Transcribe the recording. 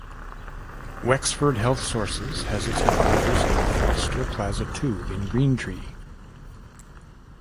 Wexford Health Sources has its headquarters in Foster Plaza Two in Green Tree.